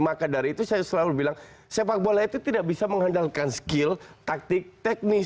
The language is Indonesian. dan dari itu saya selalu bilang sepak bola itu tidak bisa mengandalkan skill taktik teknis